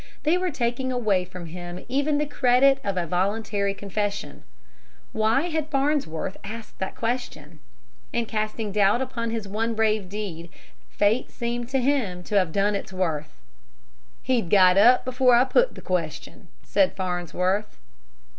They were taking away from him even the credit of voluntary confession. Why had Farnsworth asked that question? In casting doubt upon his one brave deed fate seemed to him to have done its worst. "He'd got up before I put the question," said Farnsworth.